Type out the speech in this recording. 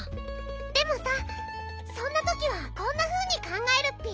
でもさそんなときはこんなふうにかんがえるッピ。